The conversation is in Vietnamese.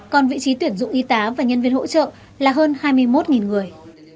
còn vị trí tuyển dụng y tá và nhân viên hỗ trợ là hơn hai mươi một người